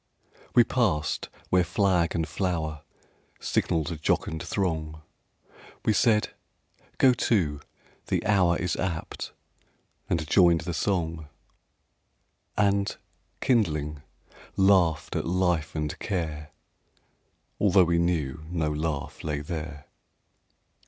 WE passed where flag and flower Signalled a jocund throng; We said: "Go to, the hour Is apt!"—and joined the song; And, kindling, laughed at life and care, Although we knew no laugh lay there.